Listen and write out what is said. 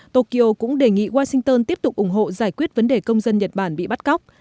tokyo cũng đề nghị washington tiếp tục ủng hộ giải quyết vấn đề công dân nhật bản bị bắt cóc